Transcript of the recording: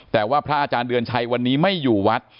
แต่ว่าพระอาจารย์เดือนชัยวันนี้ไม่อยู่วัด